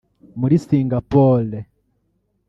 muri Singapore